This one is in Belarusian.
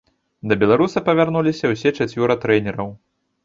Да беларуса павярнуліся ўсе чацвёра трэнераў.